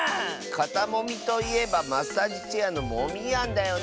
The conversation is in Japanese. かたもみといえばマッサージチェアのモミヤンだよね。